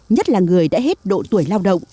nhất là người đã hết độ tuổi lao động